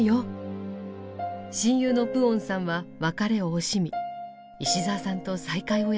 親友のプオンさんは別れを惜しみ石澤さんと再会を約束しました。